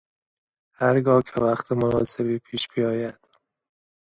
هرگاه که وقت مناسبی پیش بیاید